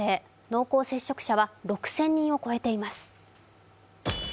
濃厚接触者は６０００人を超えています。